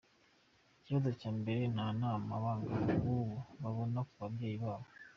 Ikibazo cya mbere nta nama abangavu b’ubu babona ku babyeyi babo.